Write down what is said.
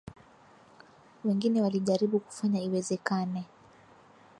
Wengine walijaribu kufanya iwezekane